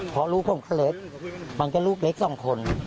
พอรู้ผมเคล็ดมันก็ลูกเล็กสองคน